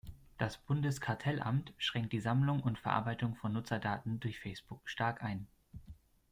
Das Bundeskartellamt schränkt die Sammlung und Verarbeitung von Nutzerdaten durch Facebook stark ein.